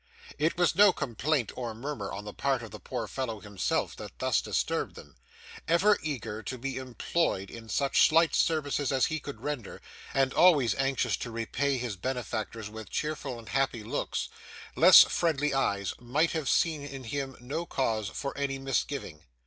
It was no complaint or murmur on the part of the poor fellow himself that thus disturbed them. Ever eager to be employed in such slight services as he could render, and always anxious to repay his benefactors with cheerful and happy looks, less friendly eyes might have seen in him no cause for any misgiving.